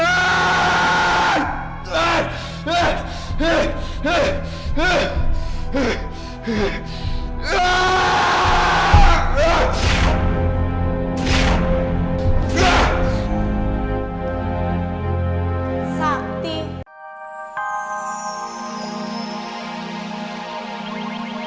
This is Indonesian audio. kutukan apa ini